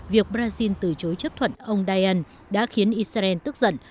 việc brazil từ chối chấp thuận ông dien đã khiến israel tức giận